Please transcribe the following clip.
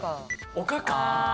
おかか。